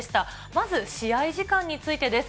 まず試合時間についてです。